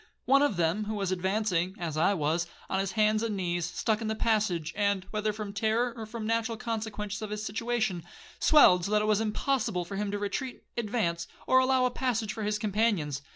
One of them, who was advancing, as I was, on his hands and knees, stuck in the passage, and, whether from terror, or from the natural consequences of his situation, swelled so that it was impossible for him to retreat, advance, or allow a passage for his companions.